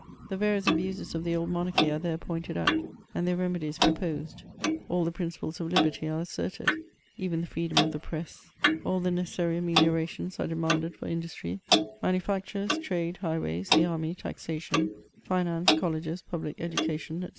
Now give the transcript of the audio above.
The various abuses of the old monarchy are there pomted out, and their remedies pro posed ; all the principles of liberty are asserted, — even the freedom of the press ; all the necessary ameliorations are demanded for industry — manufactures, trade, highways, the army, taxation, finance, colleges, public education, &c.